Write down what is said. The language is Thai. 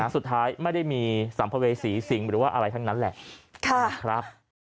สุดท้ายไม่ได้มีสัมภเวษีสิงหรือว่าอะไรทั้งนั้นแหละ